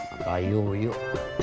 atau ayo yuk